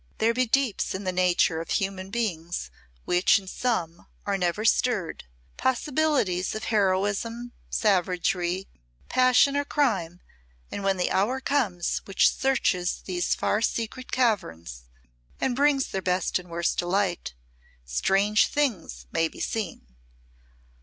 There be deeps in the nature of human beings which in some are never stirred, possibilities of heroism, savagery, passion, or crime, and when the hour comes which searches these far secret caverns and brings their best and worst to light, strange things may be seen.